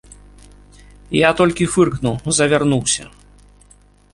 Я толькі фыркнуў, завярнуўся.